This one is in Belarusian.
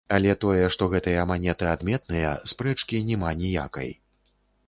Але тое, што гэтыя манеты адметныя, спрэчкі няма ніякай.